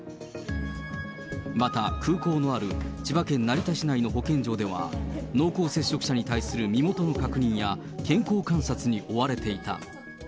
また、空港のある千葉県成田市内の保健所では、濃厚接触者に対する身元の確認や、健康観察に追われていた。